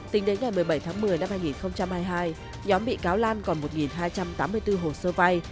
tính đến ngày một mươi bảy tháng một mươi năm hai nghìn hai mươi hai nhóm bị cáo lan còn một hai trăm tám mươi bốn hồ sơ vay